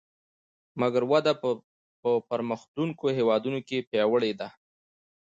مګر وده په پرمختلونکو هېوادونو کې پیاوړې ده